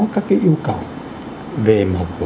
các cái yêu cầu về mở cửa